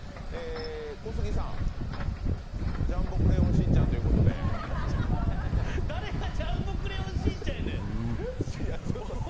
小杉さん、「ジャンボクレヨンしんちゃん」ということで誰がジャンボクレヨンしんちゃんやねん！